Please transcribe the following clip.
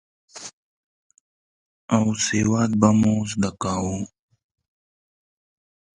او سواد به مو زده کاوه.